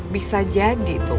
bisa jadi tuh